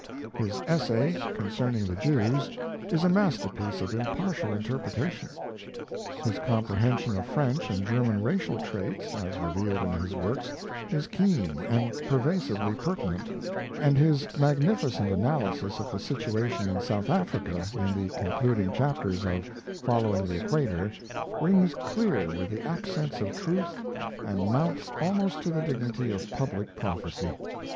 His essay 'Concerning the Jews' is a masterpiece of impartial interpretation; his comprehension of French and German racial traits, as revealed in his works, is keen and pervasively pertinent; and his magnificent analysis of the situation in South Africa, in the concluding chapters of 'Following the Equator', rings clear with the accents of truth and mounts almost to the dignity of public prophecy.